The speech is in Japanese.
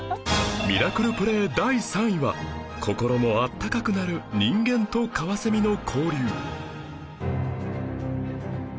ミラクルプレー第３位は心も温かくなる人間とカワセミの交流